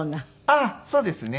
あっそうですね。